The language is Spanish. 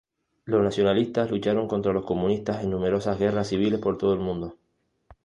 Los nacionalistas lucharon contra los comunistas en numerosas guerras civiles por todo el mundo.